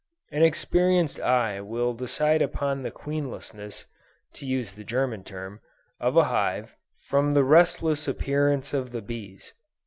An experienced eye will decide upon the queenlessness, (to use the German term,) of a hive, from the restless appearance of the bees.